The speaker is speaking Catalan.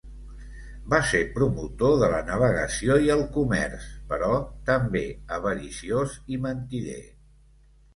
Va ser promotor de la navegació i el comerç, però també avariciós i mentider.